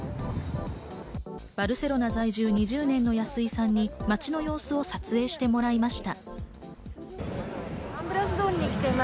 バルセロナ在住２０年の安井さんに街の様子を撮影してもらいました。